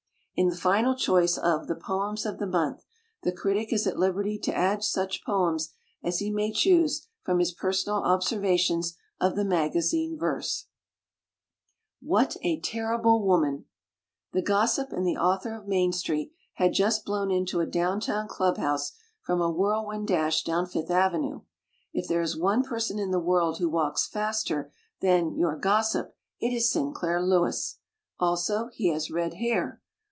In the final choice of "The Poems of the Month", the critic is at liberty to add such poems as he may choose from his personal observations of the maga zine verse. Not long ago Harry Hansen, the erudite gentleman who conducts the "What a terrible woman!" The Gossip and the author of "Main Street" had just blown into a down town club house from a whirlwind dash down Fifth Avenue. If there is one person in the world who walks faster than Your Gossip, it is Sinclair Lewis. Also, he has red hair.